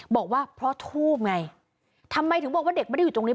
บอกว่าเพราะทูบไงทำไมถึงบอกว่าเด็กไม่ได้อยู่ตรงนี้